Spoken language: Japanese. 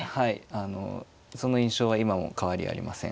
あのその印象は今も変わりありません。